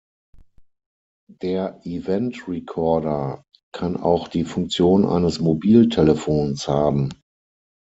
Der Event-Recorder kann auch die Funktion eines Mobiltelefons haben.